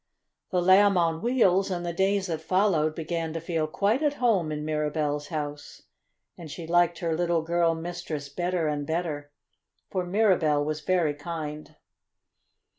The Lamb on Wheels, in the days that followed, began to feel quite at home in Mirabell's house, and she liked her little girl mistress better and better, for Mirabell was very kind.